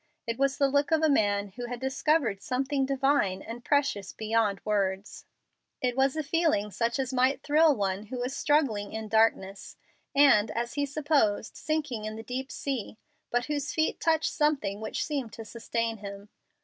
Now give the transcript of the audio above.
It was the look of a man who had discovered something divine and precious beyond words. It was a feeling such as might thrill one who was struggling in darkness, and, as he supposed, sinking in the deep sea, but whose feet touched something which seemed to sustain him.